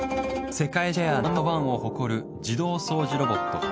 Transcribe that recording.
世界シェアナンバー１を誇る自動掃除ロボット。